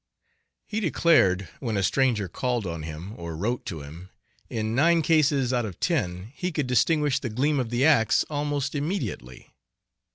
He declared when a stranger called on him, or wrote to him, in nine cases out of ten he could distinguish the gleam of the ax almost immediately.